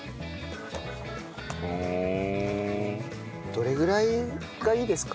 どれぐらいがいいですか？